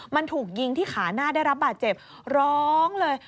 มันถูกยิงที่ขาหน้าได้รับบาดเจ็บร้องเลย